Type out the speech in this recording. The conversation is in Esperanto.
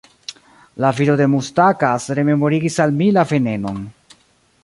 La vido de Mustakas rememorigis al mi la venenon.